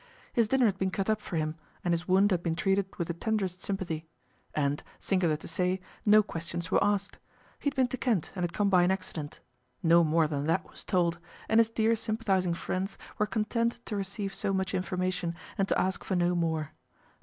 His dinner had been cut up for him, and his wound had been treated with the tenderest sympathy. And, singular to say, no questions were asked. He had been to Kent and had come by an accident. No more than that was told, and his dear sympathising friends were content to receive so much information, and to ask for no more.